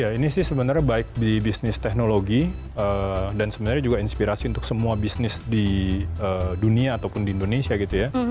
ya ini sih sebenarnya baik di bisnis teknologi dan sebenarnya juga inspirasi untuk semua bisnis di dunia ataupun di indonesia gitu ya